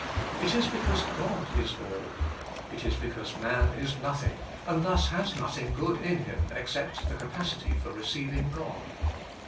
It is because God is all. It is because man is nothing, and thus has nothing good in him except the capacity for receiving God.